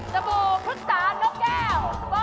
สบู่พฤกษานนกแก้ว